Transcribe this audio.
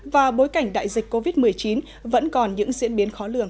và bối cảnh đại dịch covid một mươi chín vẫn còn những diễn biến khó lường